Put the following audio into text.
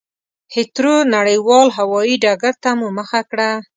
هېترو نړېوال هوایي ډګرته مو مخه کړه.